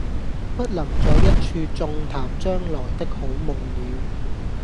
不能在一處縱談將來的好夢了，